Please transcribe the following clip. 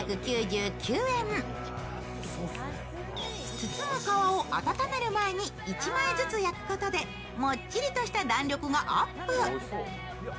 包む皮を温める前に一枚ずつ焼くことでもっちりとした弾力がアップ。